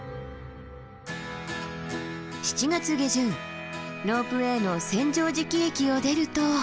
７月下旬ロープウエーの千畳敷駅を出ると。